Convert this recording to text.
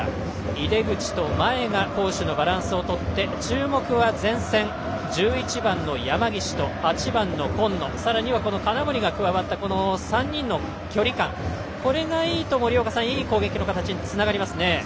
井手口と前が攻守のバランスをとって注目は前線１１番の山岸と８番の紺野さらには金森が加わった３人の距離感がこれがいいといい攻撃の形につながりますね。